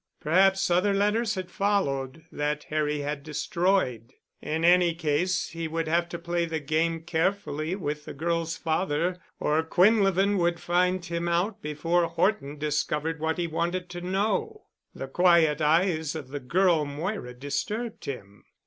Perhaps other letters had followed, that Harry had destroyed. In any case he would have to play the game carefully with the girl's father or Quinlevin would find him out before Horton discovered what he wanted to know. The quiet eyes of the girl Moira disturbed him.